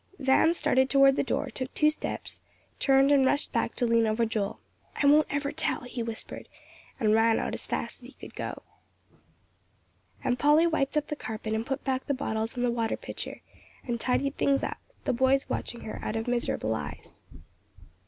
Van started toward the door, took two steps, turned and rushed back to lean over Joel, "I won't ever tell," he whispered, and ran out as fast as he could go. And Polly wiped up the carpet and put back the bottles and the water pitcher, and tidied things up, the boys watching her out of miserable eyes.